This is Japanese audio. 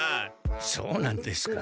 そうなんですか。